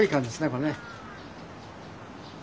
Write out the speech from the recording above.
これね。